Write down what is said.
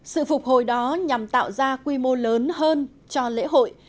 sự phục hồi đó nhằm tạo ra quy mô lớn hơn cho lễ hội